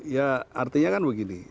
ya artinya kan begini